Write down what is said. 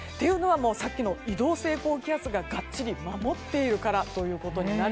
さっきの移動性高気圧ががっちり守っているからと。